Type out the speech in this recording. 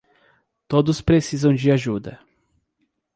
Todos precisam de ajuda